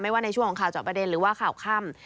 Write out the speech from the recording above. ว่าในช่วงของข่าวเจาะประเด็นหรือว่าข่าวค่ำ